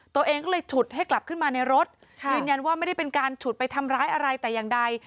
ตัวเองก็เลยฉุดให้กลับขึ้นมาในรถยืนยันว่าไม่ได้เป็นการฉุดไปทำร้ายอะไรแต่อย่างใด